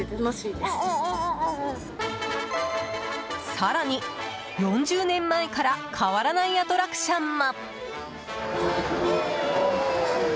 更に、４０年前から変わらないアトラクションも。